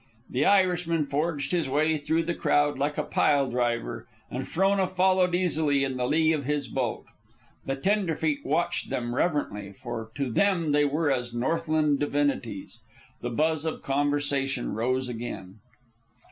The Irishman forged his way through the crowd like a pile driver, and Frona followed easily in the lee of his bulk. The tenderfeet watched them reverently, for to them they were as Northland divinities. The buzz of conversation rose again.